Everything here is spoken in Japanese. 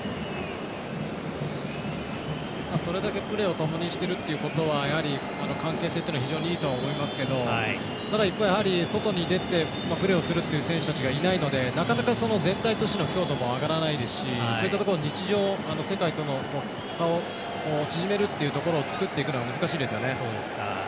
それだけプレーをともにしているということは関係性っていうのは非常にいいと思いますけどやはり外に出てプレーをするという選手たちがいないのでなかなか、全体としての強度も上がらないですしそういったところ世界との差を縮めるっていうところを作っていくのが難しいですよね。